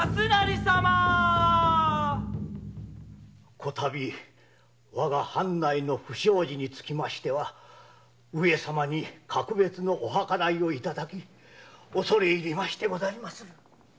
こ度藩内の不祥事には上様に格別のお計らいを頂き恐れ入りましてござりまする。